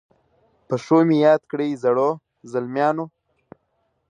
په ښو مي یاد کړی زړو، زلمیانو